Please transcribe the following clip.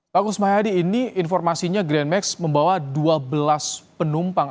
pak kusmayadi ini informasinya grand mag membawa dua belas penumpang